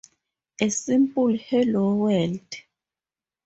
A simple Hello, world!